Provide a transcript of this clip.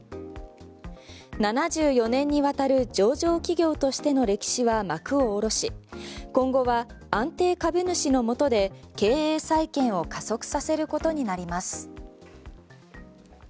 ７４年にわたる上場企業としての歴史は幕を下ろし今後は安定株主のもとで経営再建を加速させることになります。